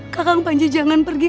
gakang banji jangan pergi